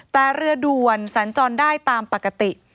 แต่เรือด่วนสัญจรได้ตามปกติ